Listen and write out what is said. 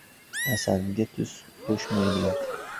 • Asalga tuz qo‘shmaydilar.